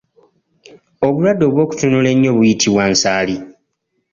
Obulwadde obw’okutunula ennyo buyitibwa Nsaali.